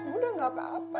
udah gak apa apa